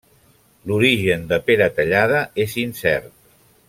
L'origen de Peratallada és incert.